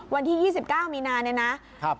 วันที่๒๙มีนาเนี่ยนะ